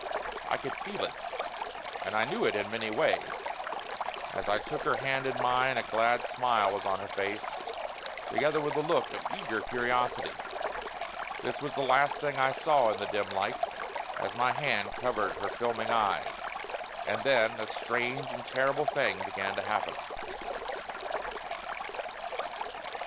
I could feel it, and I knew it in many ways. As I took her hand in mine, a glad smile was on her face, together with a look of eager curiosity. This was the last thing I saw in the dim light, as my hand covered her filming eyes. And then a strange and terrible thing began to happen.